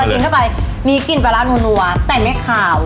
กินเข้าไปมีกลิ่นปลาร้านัวแต่ไม่ขาว